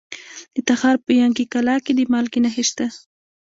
د تخار په ینګي قلعه کې د مالګې نښې شته.